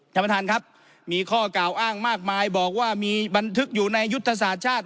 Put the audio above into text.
ท่านประธานครับมีข้อกล่าวอ้างมากมายบอกว่ามีบันทึกอยู่ในยุทธศาสตร์ชาติ